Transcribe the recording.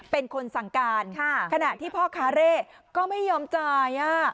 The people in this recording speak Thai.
เป็นคนสั่งการขณะที่พ่อค้าเร่ก็ไม่ยอมจ่าย